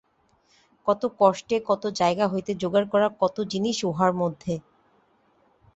কত কষ্টে কত জায়গা হইতে জোগাড় করা কত জিনিস উহার মধ্যে!